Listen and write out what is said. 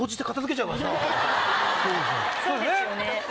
そうですよね。